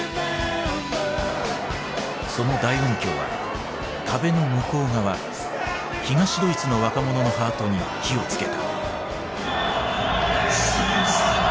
その大音響は壁の向こう側東ドイツの若者のハートに火をつけた。